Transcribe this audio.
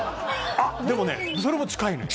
あっでもねそれも近いのよ。